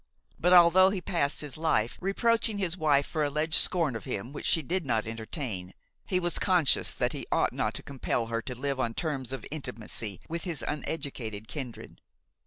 But, although he passed his life reproaching his wife for alleged scorn of him which she did not entertain, he was conscious that he ought not to compel her to live on terms of intimacy with his uneducated kindred.